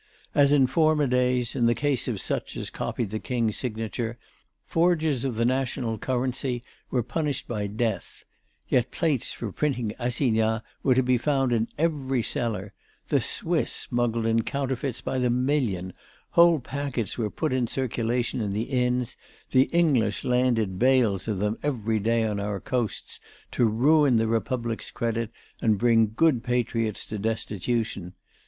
As in former days, in the case of such as copied the King's signature, forgers of the national currency were punished by death; yet plates for printing assignats were to be found in every cellar, the Swiss smuggled in counterfeits by the million, whole packets were put in circulation in the inns, the English landed bales of them every day on our coasts, to ruin the Republic's credit and bring good patriots to destitution.